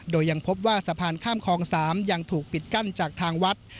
โดยยังพบว่าสะพานข้ามคลอง๓ยังถูกปิดกั้นจากทางวัด